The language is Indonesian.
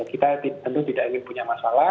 kita tentu tidak ingin punya masalah